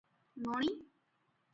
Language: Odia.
ମଣି!-"